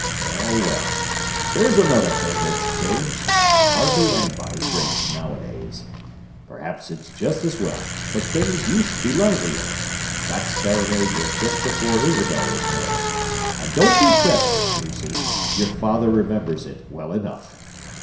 Well, well; there's another thing that's changed: hardly anybody drinks nowadays. Perhaps it's just as well, but things used to be livelier. That serenade was just before Isabel was married—and don't you fret, Miss Lucy: your father remembers it well enough!"